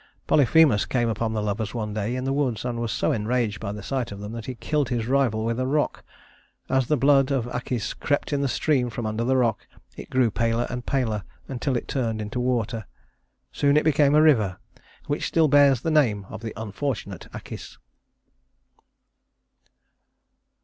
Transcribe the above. Polyphemus came upon the lovers one day in the woods, and was so enraged at the sight of them that he killed his rival with a rock. As the blood of Acis crept in a stream from under the rock it grew paler and paler until it turned into water. Soon it became a river which still bears the name of the unfortunate Acis.